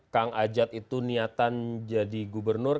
kang ajat itu niatan jadi gubernur